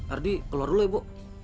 ardi keluar dulu ya bu